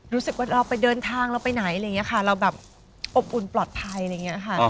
รู้สึกว่าเราไปเดินทางเราไปไหนอะไรอย่างนี้ค่ะเราแบบอบอุ่นปลอดภัยอะไรอย่างนี้ค่ะ